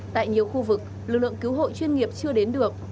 tại nhiều khu vực lực lượng cứu hộ chuyên nghiệp chưa đến được